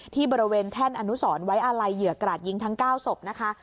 ที่บริเวณแท่นอนุสรไว้อาลัยเหยื่อกราดยิงทั้ง๙ศพนะคะ